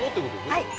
はい。